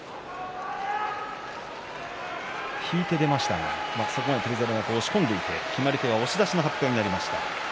引いて出ましたが翔猿が押し込んでいて決まり手は押し出しと発表されました。